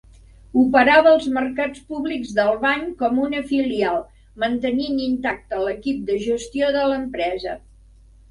Operava els Mercats Públics d'Albany com una filial, mantenint intacte l'equip de gestió de l'empresa.